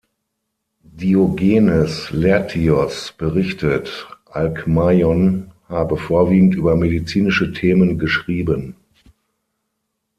Diogenes Laertios berichtet, Alkmaion habe vorwiegend über medizinische Themen geschrieben.